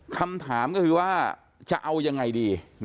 คำถามก็คือว่าจะเอายังไงดี